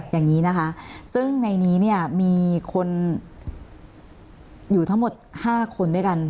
อย่างนี้นะคะซึ่งในนี้เนี่ยมีคนอยู่ทั้งหมด๕คนด้วยกัน